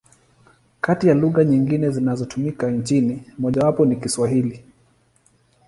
Kati ya lugha nyingine zinazotumika nchini, mojawapo ni Kiswahili.